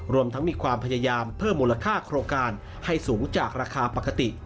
รวมทั้งมีความพยายามเพิ่มมูลค่าโครงการให้สูงจากราคาปกติ